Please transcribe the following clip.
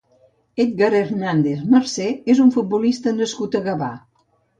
Edgar Hernández Marcé és un futbolista nascut a Gavà.